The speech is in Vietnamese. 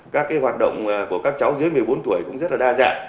các cái hoạt động của các cháu dưới một mươi bốn tuổi cũng rất là đa dạng